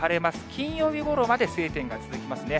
金曜日ごろまで晴天が続きますね。